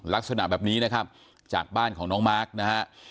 ลักษณะแบบนี้นะครับจากบ้านของน้องมาร์คนะฮะ